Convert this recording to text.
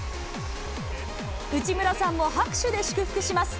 内村さんも拍手で祝福します。